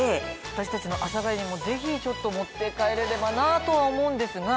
私たちの阿佐ヶ谷にもぜひちょっと持って帰れればなとは思うんですが。